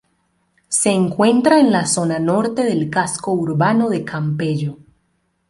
Se encuentra en la zona norte del casco urbano de Campello.